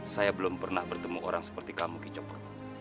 saya belum pernah bertemu orang seperti kamu kicapro